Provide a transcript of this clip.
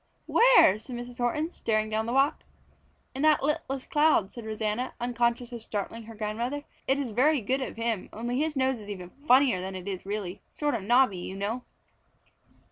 "Where?" said Mrs. Horton, staring down the walk. "In that littlest cloud," said Rosanna, unconscious of startling her grandmother. "It is very good of him, only his nose is even funnier than it is really. Sort of knobby, you know."